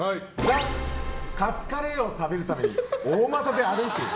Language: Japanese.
カツカレーを食べるために大股で歩いてる。